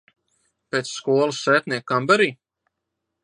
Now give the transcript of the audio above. Pēc skolas sētnieka kambarī?